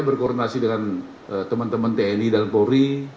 berkoordinasi dengan teman teman tni dan polri